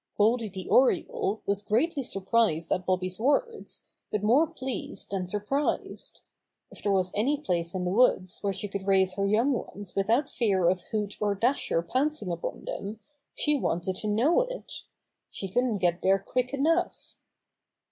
Goldy the Oriole was greatly surprised at Bobby's words, but more pleased than sur prised. If there was any place in the woods where she could raise her young ones without fear of Hoot or Dasher pouncing upon them she wanted to know it. She couldn't get there quick enough.